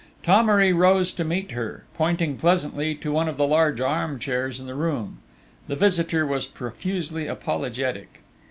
Thomery rose to meet her, pointing pleasantly to one of the large arm chairs in the room. The visitor was profusely apologetic.